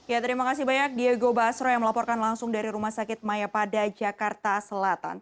ya terima kasih banyak diego basro yang melaporkan langsung dari rumah sakit mayapada jakarta selatan